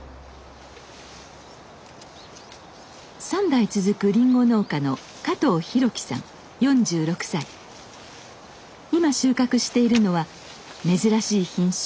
３代続くりんご農家の今収穫しているのは珍しい品種